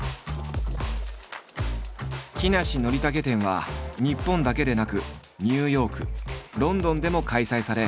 「木梨憲武展」は日本だけでなくニューヨークロンドンでも開催され